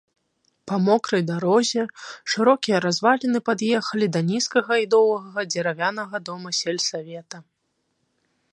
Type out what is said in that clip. Па мокрай дарозе шырокія разваліны пад'ехалі да нізкага і доўгага дзеравянага дома сельсавета.